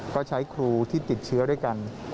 ก็ใช้ครูที่ติดเชื้อด้วยกัน